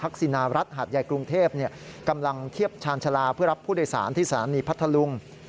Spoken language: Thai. กรุงเทพกำลังเทียบชาญชาลาเพื่อรับผู้โดยสารที่สาธารณีพัทธลุง